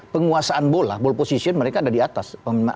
penguasaan bola ball position mereka ada di atas